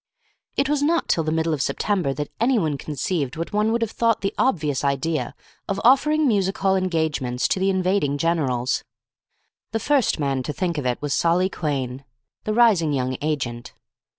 It was not till the middle of September that anyone conceived what one would have thought the obvious idea of offering music hall engagements to the invading generals. The first man to think of it was Solly Quhayne, the rising young agent.